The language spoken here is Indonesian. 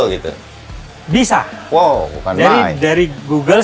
kita mulakan ini dulu